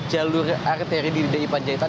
jalur arteri di ipan jahitan